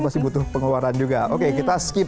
masih butuh pengeluaran juga oke kita skip